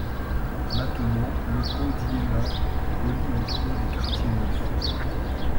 Maintenant le pont d'Iéna relie entre eux des quartiers neufs.